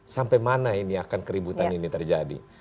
sampai mana ini akan keributan ini terjadi